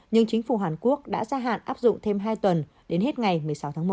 nhưng chính phủ hàn quốc đã gia hạn áp dụng thêm hai tuần đến hết ngày một mươi sáu tháng một